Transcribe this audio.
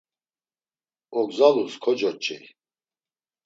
Ogzalus kocoç̌ey.